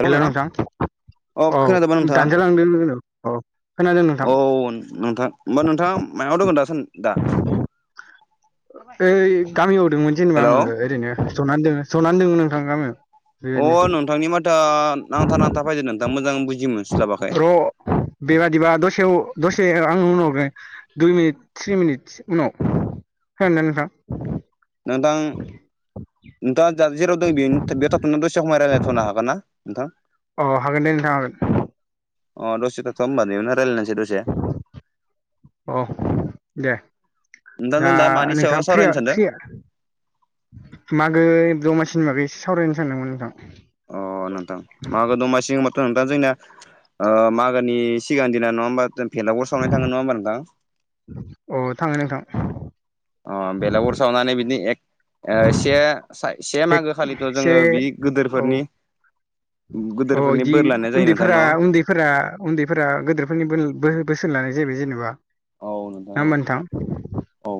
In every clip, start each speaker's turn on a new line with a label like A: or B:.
A: Hello
B: hello
A: नोंथां
B: नोथां।
A: अ
B: औ
A: खोनादोंबा नोंथाङा
B: दानजा लांदों दों औ खोनादों नोंथां।
A: औ नोंथां होमबा नोंथाङा मायावायाव दङो दासान दा?
B: ओइ गामियाव दंमोन जेनेबा
A: हेलौ
B: आङो ओरैनो जनानै दं जनानै दं गामियावनोंथां गामियाव।
A: अ
B: बेबायदिनो
A: नोंथांनि माथो नांथा नांथा फैदो नोंथां मोजां बुजि मोनस्लाबाखै।
B: र' बेबादिबा दसे दसे आं उनाव दुइ मिनिट थ्रिनि मिनिट उनाव। खोनादों ना नोंथां?
A: नोंथां नोंथाङा जेराव द बे बेहाय थाथना दसे समाय रायज्लायथ'नो हागोन ना? नोंथां?
B: अ हागोन दे नोंथां हागोन।
A: अ दडसे' थांथ होमबा नैयावनो रायलायनोसै दसे।
B: अ दे
A: नोंथां
B: दा
A: जों मानि सायाव
B: नोंथाङा फ्रिया
A: सावरायनो सानदों
B: फ्रिया मागो दमासिनि बागै एसे सावरायनो सानदोंमोन नोंथां।
A: अ ' नोंथां मागो दमासि होमबाथ' दा आं नोंथां जोंनिया ओ मागोनि सिगां दिना नङा होमबा जों बेलागुर सावनाय थांङो नङा होमबा नोंथां?
B: अ थाङो नोंथां।
A: अ बेलागुर सावनानै बिदिनो एक से से मागो खालिथ'
B: एसे
A: जोङो बे
B: औ
A: गिदोरफोरनि गिदोरफोरनि बोर लानाय जायो नोंथां न'?
B: फोर उन्दैफोरा गोदोरफोरनि बो-बो-बोसोन लानाय जाहबाय जेनेबा।
A: औ
B: ना
A: नोंथां औ।
B: होमबा
A: औ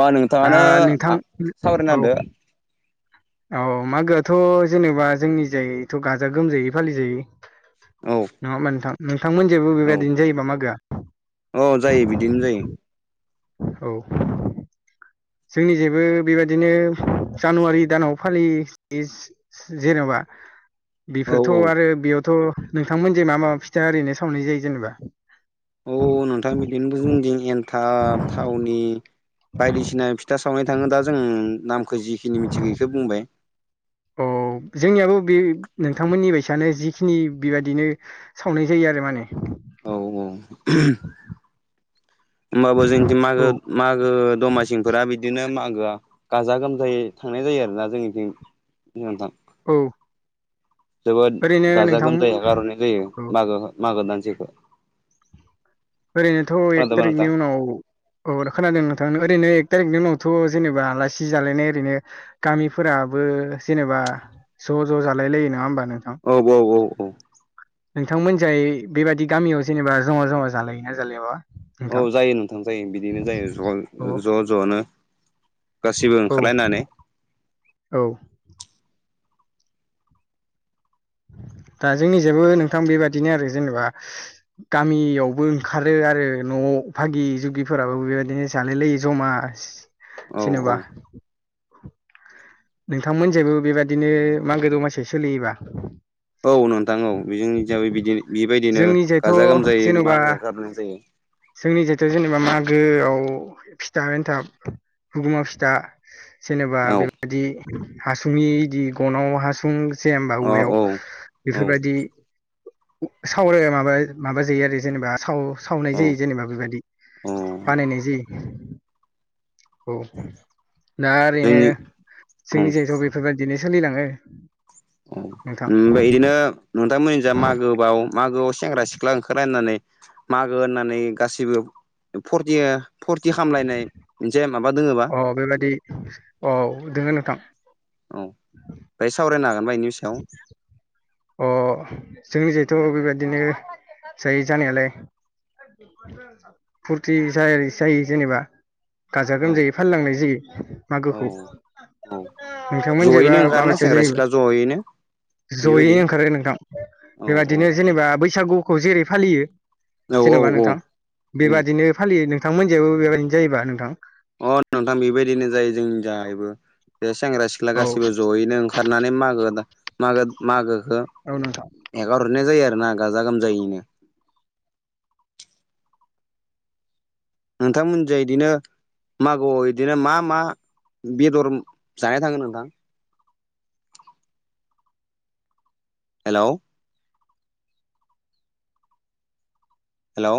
A: बा
B: दा
A: नोंथाङानो
B: नोंथां औ
A: सावरायना होदो
B: औ मागोआथ' जेनेबा जोंनि जायथ' गाजा गोमजायै फालिजायो
A: औ
B: नङा होमबा नोंथां? नोंथांमोनजोंबो बेबायदिनो जायोबा मागोआ?
A: अ जायो बिदिनो जायो।
B: औ जोंनि जेबो बेबायदिनो जानुवारि दानाव फालि इ इस जेनेबा
A: औ
B: बेफोरथ'
A: औ
B: आरो बेयावथ' नोंथांमोनजाय मा मा फिथा ओरैनो सावनाय जायो जेनेबा?
A: औ नोंथां बिदिनोबो जोंथिं एन्थाब थावनि बायदिसिना फिथा सावनाय थाङो दा जों नामखौ जिखिनि मिथिगौ इखौ बुंबाय।
B: औ जोंनियाबो बे नोंथांमोननि बायसआनो जिखिनि बेबादिनो सावनाय जायो आरो माने।
A: औ औ होमबाबो जोंथिं मागो
B: औ
A: मागो दमासिंफोरा बिदिनो मागोआ गाजा गोमजायै थांनाय जायो आरोना जोंनिथिं। नोंथां
B: औ
A: जोबोद
B: ओरैनो
A: गाजा
B: नोंथां
A: गोमजायै हेगार हरनाय जायो
B: औ
A: मागो मागो दानसेखो
B: ओरैनोथ' एक
A: खोनादोंबा नोंथां?
B: थारिकनि उनाव औ खोनादों नोंथां ओरैनो एक थारिकनि उनावथ' जेनेबा आलासि जालायनाय ओरैनो गामिफोराबो जेनेबा ज' ज' जालाय लायो नङा होमबा नोंथां?
A: औ ब' औ औ औ
B: नोंथांमोनजाय बेबायदि गामियाव जेनेबा जमा जमा जालायोना जालायाबा?
A: औ
B: नोंथां
A: जायो नोंथां जायो बिदिनो जायो
B: अ
A: ज' ज' ज'नो गासिबो
B: औ
A: ओंखारलायनानै
B: औ दा जोंनि जोंबो नोंथां बेबायदिनो आरो जेनेबा गामियावबो ओंखारो आरो न' भागि जुगिफोराबो बेबायदिनो जालायलायो जमा
A: औ औ
B: जेनेबा नोंथांमोनजायबो बेबायदिनो मागो दमासिया सोलियोबा?
A: औ नोंथां औ बे जोंनिजाबो बिदि बेबायदिनो
B: जोंनि जायथ'
A: गाजा गोमजायै
B: जेन'बा
A: मागो हेगारहरनाय जायो।
B: जोंनि जायथाव जेनेबा मागोआव फिथा एन्थाब गुगुमा फिथा जेनेबा
A: औ
B: बेबायदि हासुंनि इदि गनाव हासुं जायाहोमबा
A: अ
B: औवायाव
A: औ औ
B: बेफोरबायदि सावराय माबा माबा जायो आरो जेनेबा साव सावनाय जायो जेनेबा बेबायदि
A: औ
B: बानायनाय जायो। औ दा ओरैनो।
A: जोंनि औ
B: जोंनि जायथ' बेफोरबायदिनो सोलिलाङो।
A: अ
B: नोंथां
A: ओमफ्राय बिदिनो नोंथांमोननि जा मागोबाव मागोआव सेंग्रा सि ख्ला ओंखारनानै मागो होननानै गासिबो फुरथिया फुरथि खामलायनाय मोनसे माबा दोङोबा?
B: अ बेबायदि औ दोङो नोंथां।
A: औ बेहाय सावरायनो हागोन बा बेनि सायाव?
B: अ जोंनिजायथ' बेबायदिनो जायो जानायालाय फुरथि जा जायो जेनेबा। गाजा
A: औ
B: गोमजायै फालिलांनाय जायो
A: औ
B: मागोखौ।
A: औ
B: नोंथांमोनिजायबा माबासा जायोबा?
A: दहायनो।
B: जयैनो ओंखारो नोंथां,
A: औ औ औ
B: बेबायदिनो जेनेबा बैसागुखौ जेरै फालियो।
A: औ
B: जेनेबा
A: औ
B: नोंथां
A: औ
B: बेबादिनो फालियो। नोंथां मोननिजायबो बेबादिनो जायोबा नोंथां?
A: अ नोंथां बिबायदिनो जायो जोंनिजायबो बे सेंग्रा सिख्ला
B: औ
A: गासैबो ज'यैनो ओं खारनानै मागो दा मागो मागोखो
B: औ नोंथां।
A: एगार हरनाय जायो आरोना गाजा गोमजायैनो। नोंथांमोननिजों इदिनो मागोआव इदिनो मा मा बेदर जानाय [unintelligible] नोंथां? हेल'! हेलौ!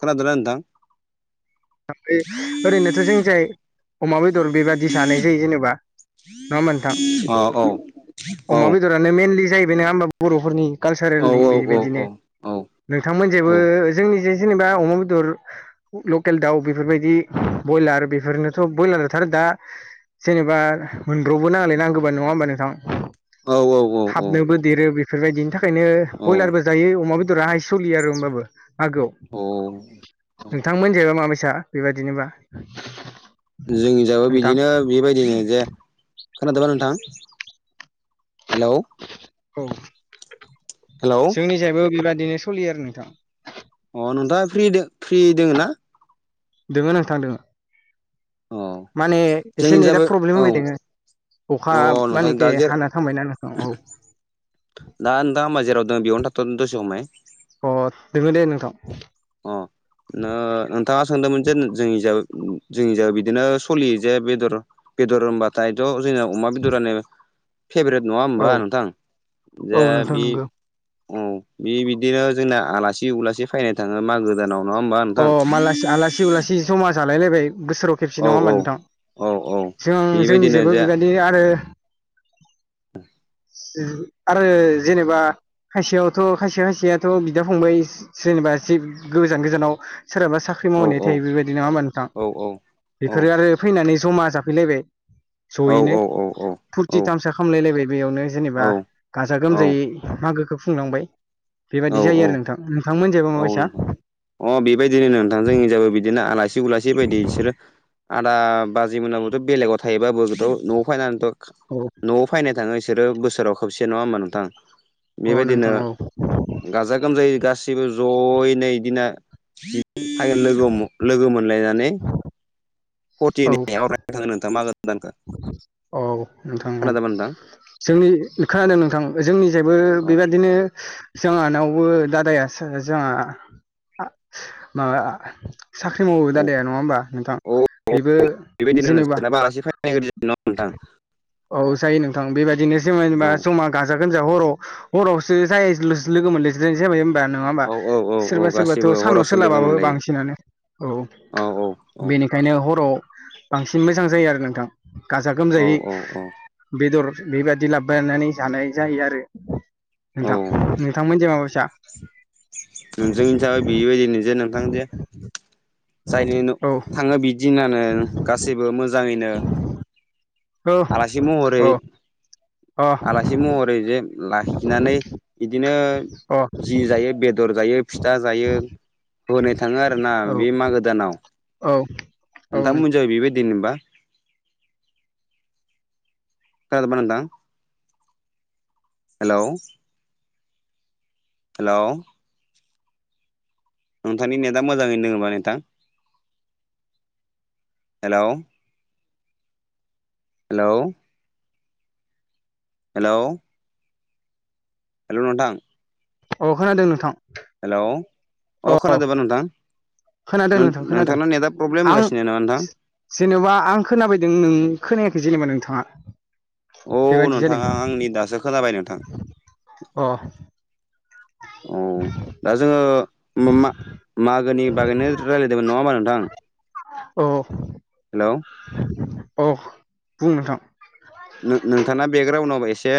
A: खोनादोंना नोंथां?
B: [unintelligible] ओरैनोथ' जोंनिजाय अमा बेदर बेबादि जानायजायो जेनेबा। नङा होमबा नोंथां?
A: अ औ औ
B: अमा बेदरा नो मेनलि जाहैबाय नोङा होमबा बर'फोरनि
A: औ
B: कालसारेलनि
A: औ औ
B: बेबायदिनो।
A: औ
B: नोंथांमोननिजायबो जोंनिजों जेनेबा अमा बेदर ल लकेल दाउ बेफोरबायदि बयलार बेफोरनोथ' बयलाराथ' आरो दा जेनेबा मोनब्र'बो नालाय नांगौबानो नङा होमबा नोंथां?
A: औ औ औ औ।
B: थाबनोबो देरो बेफोरबायदिनि थाखायनो बयलारबो जायो, अमा बेदरा हायेस सोलियो आरो होमबाबो। मागोआव
A: औ
B: नोंथांमोनजायबा माबायसा बेबायदिनोबा?
A: जोंनिजायबो
B: नोंथां
A: बिदिनो बेबादिनो जे खोनादोंबा नोंथां? हेलौ!
B: औ
A: हेलौ
B: जोंनिजायबो बेबादिनो सलियो आरो नोंथां।
A: अ नोंथाङा फ्रि दो फ्रि दोङो ना?
B: दोङो नोंथां दोङो
A: अ
B: माने
A: जोंनि
B: एसे नेदा
A: जाबाय
B: प्रब्लेम
A: औ
B: होबाय दोङो। अखा
A: अ नोंथां
B: मानेखे
A: दा जे
B: हाना थांबायना नोंथां, औ।
A: दा नोंथाङा होमबा जेराव दं बेयावनो थाथ'दो दसे हमय।
B: अ दोङो दे नोंथां।
A: अ। नो-नोंथाङा सोंदोंमोन जे जोंनिजा जोंनिजा बिदिनो सलियो जे बेदर बेदर होनबाथायथ' जोंना अमा बेदरानो फेप्रेट नङा
B: औ
A: होमबा नोंथां?
B: औ
A: जे
B: नोंथां
A: बि
B: नंगौ
A: औ बे बिदिनो जोंना आलासि उलासि फैनाय थाङो मागो दानाव। नङा होमबा
B: अ
A: नोंथां
B: मासि-आलासि उलासि समा जालायलायबाय बोसोराव खेबसे
A: औ
B: नङा होमबा
A: औ
B: नोंथां?
A: औ औ
B: जों
A: बेबायदिनो
B: जोंनिजायबो बेबायदि आरो
A: औ [inaudible]
B: [unintelligible] आरो जेनेबा खायसेयावथ' खायसेया खायसेयाथ' बिदा फंबाय जेनेबा इसि गोजान गोजानाव सोरहाबा साख्रि
A: औ
B: मावहैनाय थायो बेबायदि नङा होमबा नोंथां?
A: औ औ औ
B: बेफोरो आरो फैनानै ज'मा जाफैलायबाय
A: औ औ
B: जयैनो
A: औ औ
B: फुर
A: औ
B: थि थामसा खामलायलायबाय बेयावनो
A: औ
B: जेनेबा गाजा
A: औ
B: गोमजायै मागोखौ खुंलांबाय। बेबायदि जायो आरो नोंथां। नोंथांमोनजायबा माबायसा?
A: नोंथां अ बेबायदिनो नोंथां जोंनि जायगायाव बिदिनो आलासि उलासि बायदि बिसोरो आदा बाजै मोनाबोथ' बेलेगाव थायोबाबोथ' न'आव फैनानैथ'
B: औ
A: न'आव फैनाय थाङो बिसोर बोसोराव खोबसे नङा होनबा नोंथां?
B: औ
A: बेबायदिनो
B: नोंथां औ
A: गाजा गोमजायै गास गासिबो जयैनो इदिनो हाय लोगो लोगो मोनलायनानै
B: औ
A: [unintelligible] मागो दानखौ
B: औ नोंथां औ
A: खोनादोंमोन नोंथां
B: जोंनि खोनादों नोंथां जोंनिसायबो
A: औ
B: बेबादिनो जोंहानावबो दादाया सो जोङा माबा साख्रि मावो
A: औ
B: दादाया नङा होमबा नोंथां
A: औ
B: बेबो
A: बेबायदिनो
B: जेनेबा
A: [unintelligible]
B: औ जायो नोंथां बेबायदिनो जोमायलोंबा
A: औ
B: जमा गाजा गोजा हराव हरावसो जायो लोगो मोनलसोायसै जाबाय हबा नङा होमबा?
A: औ औ औ औ
B: सोरबा सोरबाथ'
A: गासैबो
B: सानाव
A: हरावसो लोगो
B: सोलाबाबो
A: मोनलायो
B: बांसिनानो औ
A: औ औ औ
B: बेनि खायनो हराव बांसिन मोजां जायो आरो नोंथां गाजा
A: औ
B: गोमजायै
A: औ औ
B: बेदर बेबायदि लाबायनानै जानाय जायो आरो।
A: औ
B: नोंथां नोंथांमोनजो माबायसा?
A: नोंजों हिसाबै बेबायदि नजे नोंथां जे जायनो न
B: औ
A: थाङो बिदिनानो गासैबो मोजाङैनो
B: औ अ
A: आलासि महरै
B: अ
A: आलासि महरै जे लाखिनानै इदिनो जि जायो बेदर जायो फिथा जायो। होनाय थाङो आरोना
B: औ
A: बे मागो दानाव
B: औ औ नों
A: नोंथांमोनजै बेबायदिनोबा? खोनादोंबा नोंथां हेलौ? हेलौ? नोंथांनि नेथआ मोजाङैनो दोङोबा नोंथां हेलौ? हेलौ? हेलौ? हेलौ नोंथां?
B: अ खोनादों नोंथां।
A: हेलौ? अ खोनादोबा नोंथां
B: खोनादों
A: नों
B: नोंथां खोनादों
A: नोंथांना नेटआ प्रब्लेम
B: आं
A: होगासिनो नामा नोंथां?
B: जेनेबा आं खोनाबायदों नों खोनायाखै जेनेबा नोंथाङा।
A: औ
B: बेबायदि जादों
A: नोंथाङा आंनि दासो खोनाबाय नोंथां।
B: अ
A: औ दा जोङो मा मा मागोनि बागैनो रायलायदोंमोन नङा होमबा नोंथां?
B: औ
A: हेलौ
B: औ बुं नोंथां।
A: नो नोंथाङा बेकग्राउडआव एसे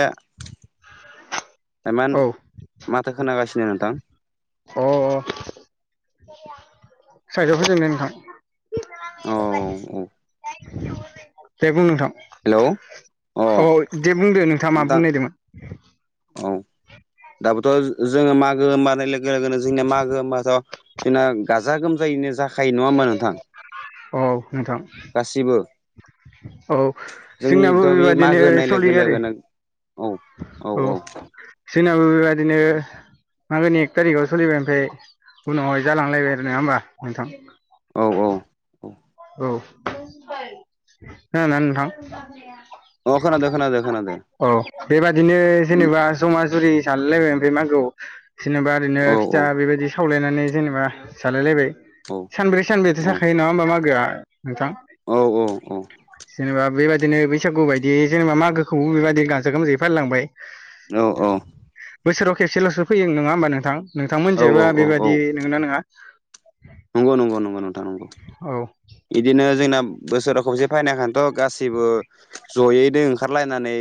B: औ
A: एमान माथो खोनागासिनो नोंथां।
B: अ अ [unintelligible] साइदआव फैजोनाय नोंथां।
A: औ औ
B: दे बुं नोंथां
A: हेलौ अ
B: औ दे बुंदो नोंथाङा मा
A: नोंथां
B: बुंनो नायदोंमोन?
A: औ
B: [inaudible]
A: दाबोथ' ओ जोङो मागो होमबानो लोगो लोगोनो जोंनिया मागो होमबाथ' जोंना गाजा गोमजायैनो जाखायो नङा होमबा नोंथां?
B: औ नोंथां
A: गासिबो
B: औ जोंनाबो
A: जोंनिथ' बे मागो
B: बेबाददिनो
A: होननाय लोगो
B: सलियो आरो।
A: लोगोनो औ
B: औ जोंनाबो बेबादिनो मागोनि एक तारिखआव सोलिबाय ओमफाय उनावहाय जालांलायबाय आरो नङा होमबा नोंथां?
A: औ औ औ
B: औ खोनादोना नोंथां?
A: अ खोनादो खोनादो खोनादो
B: औ बेबादिनो जेनेबा जमा जुरि जालायलायबाय ओमफाय मागोआव जेनेबा ओरैनो
A: औ औ
B: फिथा बेबायदि सावलायनानै जेनेबा जालायलायबाय।
A: औ
B: सानब्रै सानबायाथ'
A: औ
B: थाखायो नङा होमबा मागोआ? नोंथां
A: औ औ
B: जेनेबा बैबायदिनो बै बैसागु बायदियै जेनेबा मागोखौबो बेबायदि गाजा गोमजायै फालिलांबाय।
A: औ औ
B: बोसोराव खेबसेल'सो फैयो नङा होमबा नोंथां?
A: औ
B: नोंथांमोननि
A: औ
B: जायबा
A: औ औ
B: बेबायदि नंगोना नङा?
A: नंगौ नंगौ नंगौ नोंथां नंगौ
B: औ
A: इदिनो जोंना बोसोराव खोबसे फायनायखायनथ' गासिबो जयैनो ओंखारलायनानै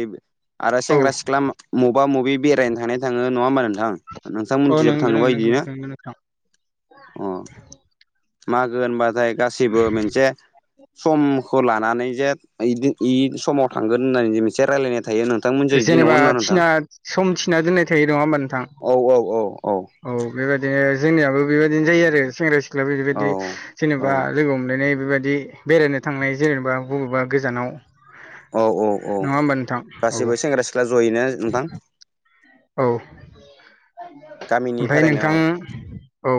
A: आरो
B: औ
A: सेंग्रा सिख्ला मबा मबि बेरायनो थांनाया थाङो नङा होमबा नोंथां? नोंथां
B: औ
A: मोनथिंजायबो
B: नंगौ नंगौ
A: थाङोबा
B: नंगौ
A: इदिनो?
B: नंगौ नोंथां
A: अह मागो होनबाथाय गासिबो मोनसे समखौ लानानै जे इदि इ समाव थांगोन होननानै जे मोनसे रायलायनाय थायो नो
B: जेनेबा थिना सम थिना दोननाय थायो नङा होमबा नोंथां?
A: औ औ
B: औ बेबादिनो जोंनियाबो बेबादिनो जायो आरो सेंग्रा सिख लायाबो
A: औ
B: बेबायदि
A: औ
B: जेनेबा लोगो हमलायनाय बेबादि बेरायनो थांनाय जेनेबा बबेबा गोजानाव नङा होमबा नोंथां? औ
A: जेबो सेंग्रा सिख्ला जयैनो नोंथां।
B: औ ओमफाय
A: गामिनिफ्रायनो
B: नोंथां औ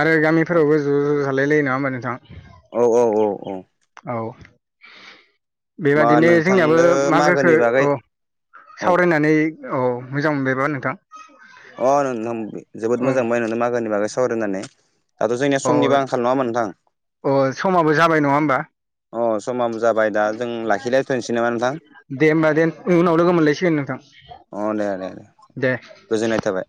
B: आरो
A: अ
B: गामिफोरावबो ज' ज' जालायलायो नङा होमबा नोंथां?
A: औ औ औ औ
B: औ
A: मा
B: बेबादिनो जोंनियाबो
A: नोंथांनो मागोनि
B: मागोखो
A: बागै
B: औ
A: औ
B: सावरायनानै औ मोजां मोनबायबा नोंथां?
A: अ नों-नों जोबोद
B: औ
A: मोजां मोनबाय नोंदो मागोनि बागै सावरायनानै। दाथ' जोंनि
B: औ
A: समनिबो आंखाल नङा होमबा नोंथां?
B: अ समाबो जाबाय नङा होमबा?
A: अह समाबो जाबाय दा जों लाखिलायथ'नोसै नामा नोंथां?
B: दे होमबा दे उनाव लोगो मोनलायसिगोन नोंथां।
A: अ दे दे
B: दे
A: गोजोननाय थाबाय।